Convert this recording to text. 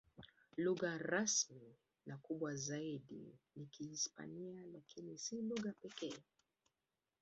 Lugha rasmi na kubwa zaidi ni Kihispania, lakini si lugha pekee.